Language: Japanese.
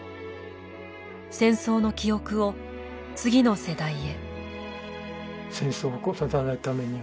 戦争の記憶を次の世代へ。